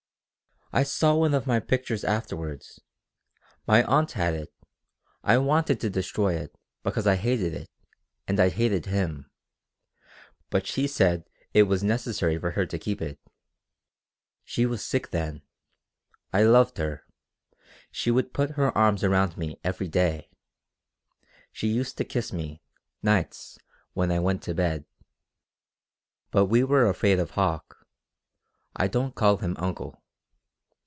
"I saw one of the pictures afterward. My aunt had it. I wanted to destroy it, because I hated it, and I hated him. But she said it was necessary for her to keep it. She was sick then. I loved her. She would put her arms around me every day. She used to kiss me, nights, when I went to bed. But we were afraid of Hauck I don't call him 'uncle.'